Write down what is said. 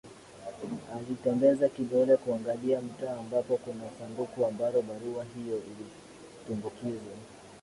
Alitembeza kidole kuangalia mtaa ambapo kuna sanduku ambalo barua hiyo ilitumbukizwa